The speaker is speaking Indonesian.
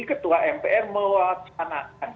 ketua mpr mewacanakan